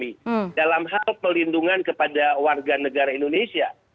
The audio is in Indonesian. ini adalah hal pelindungan kepada warga negara indonesia